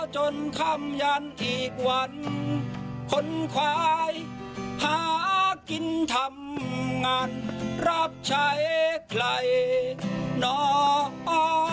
คำยันอีกวันคนควายหากินทำงานรับใช้ใครนอกอ